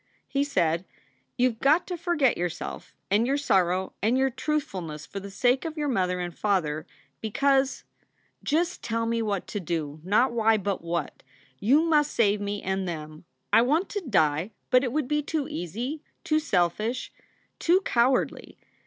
He said : "You ve got to forget yourself and your sorrow and your truthfulness for the sake of your mother and father, because " "Just tell me what to do not why, but what. You must save me and them. I want to die, but it would be too easy, too selfish, too cowardly.